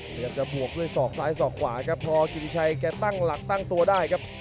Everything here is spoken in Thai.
พยายามจะบวกด้วยศอกซ้ายสอกขวาครับพอกิติชัยแกตั้งหลักตั้งตัวได้ครับ